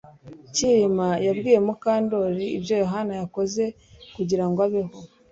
Kirima yabwiye Mukandoli ibyo Yohana yakoze kugirango abeho